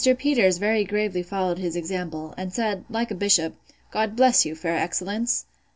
Peters very gravely followed his example, and said, like a bishop, God bless you, fair excellence!